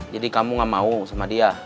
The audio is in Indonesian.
jadi kamu nggak mau sama dia